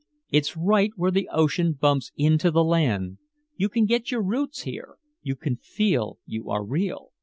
It's right where the ocean bumps into the land. You can get your roots here, you can feel you are real.